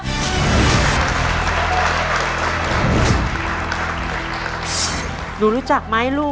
คุณยายแจ้วเลือกตอบจังหวัดนครราชสีมานะครับ